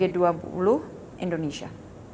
kttg dua puluh indonesia